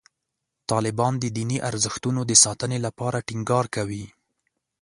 طالبان د دیني ارزښتونو د ساتنې لپاره ټینګار کوي.